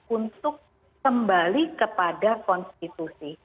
untuk kembali kepada konstitusi